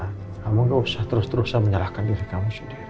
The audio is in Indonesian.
iya kamu udah usah terus terusan menyalahkan diri kamu sendiri